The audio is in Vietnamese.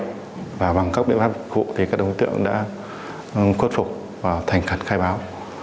thì các đối tượng đã quất phục và thành cận khai báo